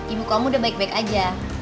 ibu kamu udah baik baik aja